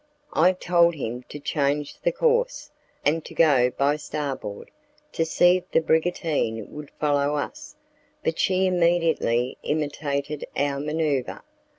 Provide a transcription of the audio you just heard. I told him to change the course, and to go by starboard, to see if the brigantine would follow us, but she immediately imitated our manoeuvre.